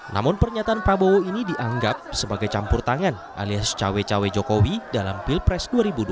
namun pernyataan prabowo ini dianggap sebagai campur tangan alias cawe cawe jokowi dalam pilpres dua ribu dua puluh